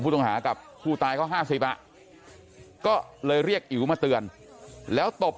พูดต้องหากับครูตายก็ห้าสิบอ่ะก็เลยเรียกอิ๋วมาเตือนแล้วตบ